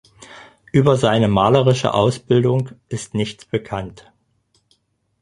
Über seine malerische Ausbildung ist nichts bekannt.